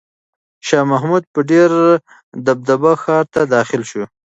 شاه محمود په ډېره دبدبه ښار ته داخل شو.